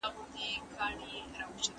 ملتونه باید ویښ اوسې ترڅو ونه غولیږي.